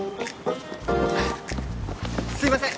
すみません！